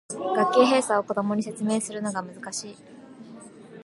学級閉鎖を子供に説明するのが難しい